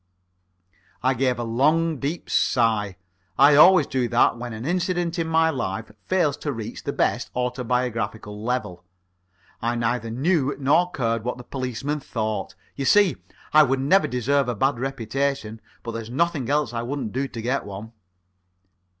I gave a long, deep sigh. I always do that when an incident in my life fails to reach the best autobiographical level. I neither knew nor cared what the policeman thought. You see, I would never deserve a bad reputation, but there's nothing else I wouldn't do to get one.